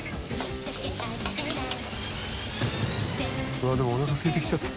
うわっでもおなかすいてきちゃった。